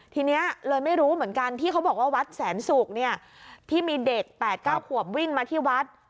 ทีนี้เลยไม่รู้เหมือนกันที่เขาบอกว่าวัดแสนศุกร์เนี่ยที่มีเด็ก๘๙ขวบวิ่งมาที่วัด